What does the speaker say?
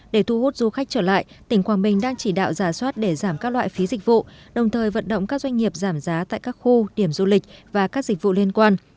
để thu hút du khách trở lại tỉnh quảng bình đang chỉ đạo giả soát để giảm các loại phí dịch vụ đồng thời vận động các doanh nghiệp giảm giá tại các khu điểm du lịch và các dịch vụ liên quan